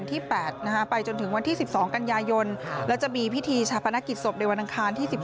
เติบไม่ได้